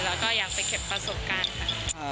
แล้วก็อยากไปเก็บประสบการณ์ค่ะ